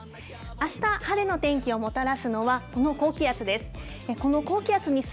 あした、晴れの天気をもたらすのはこの高気圧です。